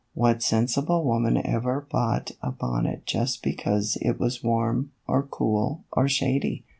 What sensible woman ever bought a bonnet just because it was warm, or cool, or shady?